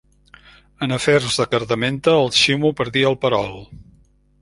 En afers de cardamenta, el Ximo perdia el perol.